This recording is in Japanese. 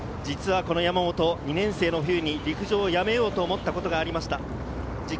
実はこの山本、２年生の冬に陸上をやめようと思ったことがありました。